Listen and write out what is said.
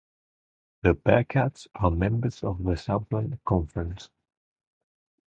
The Bearkats are members of the Southland Conference.